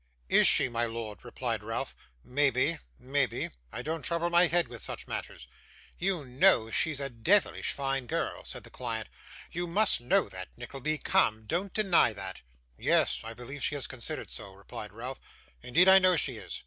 'Is she, my lord?' replied Ralph. 'Maybe maybe I don't trouble my head with such matters.' 'You know she's a deyvlish fine girl,' said the client. 'You must know that, Nickleby. Come, don't deny that.' 'Yes, I believe she is considered so,' replied Ralph. 'Indeed, I know she is.